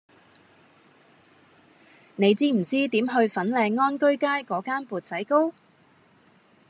你知唔知點去粉嶺安居街嗰間缽仔糕